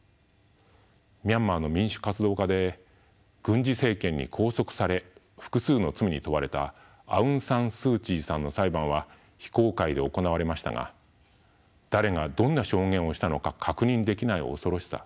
ミャンマーの民主活動家で軍事政権に拘束され複数の罪に問われたアウン・サン・スー・チーさんの裁判は非公開で行われましたが誰がどんな証言をしたのか確認できない恐ろしさ。